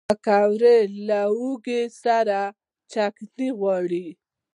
پکورې له هوږې سره چټني غواړي